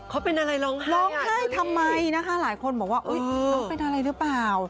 เขาเป็นอะไรร้องไห้ร้องไห้ทำไมนะคะหลายคนบอกว่าน้องเป็นอะไรหรือเปล่า